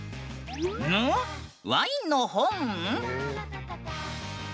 ぬ⁉ワインの本？